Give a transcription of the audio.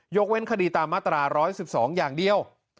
เว้นคดีตามมาตรา๑๑๒อย่างเดียว